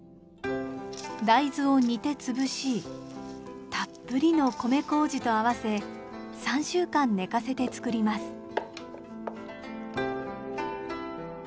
大豆を煮て潰したっぷりの米こうじと合わせ３週間寝かせて造ります。